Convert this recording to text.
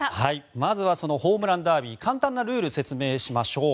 まずはそのホームランダービー簡単なルールを説明しましょう。